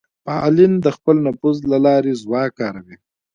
فعالین د خپل نفوذ له لارې ځواک کاروي